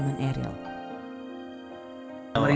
untuk memperbaiki kemampuan pemakaman eril